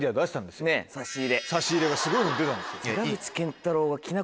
差し入れがすごいの出たんですよ。